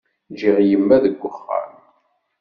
Ǧǧiɣ imma deg uxxam.